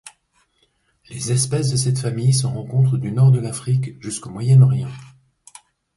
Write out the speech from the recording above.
Les espèces de cette famille se rencontrent du nord de l'Afrique jusqu'au Moyen-Orient.